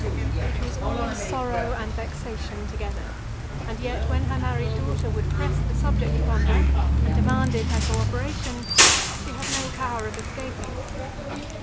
It was all sorrow and vexation together; and yet when her married daughter would press the subject upon her, and demand her co operation, she had no power of escaping.